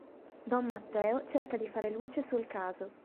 Don Matteo cerca di fare luce sul caso.